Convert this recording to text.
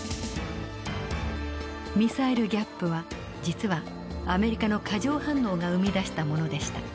ミサイル・ギャップは実はアメリカの過剰反応が生み出したものでした。